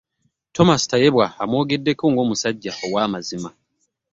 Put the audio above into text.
Thomas Tayebwa amwogeddeko ng'omusajja ow'amazima.